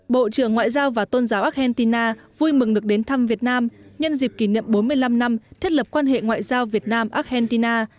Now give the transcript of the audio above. bộ trưởng ngoại giao và tôn giáo argentina vui mừng được đến thăm việt nam nhân dịp kỷ niệm bốn mươi năm năm thiết lập quan hệ ngoại giao việt nam argentina